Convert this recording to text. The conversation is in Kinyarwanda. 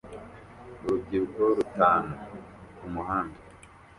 Urubyiruko rutanu kumuhanda